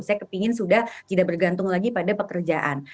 saya kepingin sudah tidak bergantung lagi pada pekerjaan